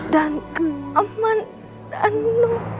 dan keamanan danu